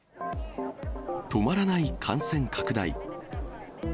止まらない感染拡大。